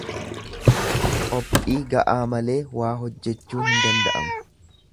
Qophii ga'aa malee waa hojjechuun hin danda'amu.